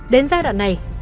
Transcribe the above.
đến giai đoạn này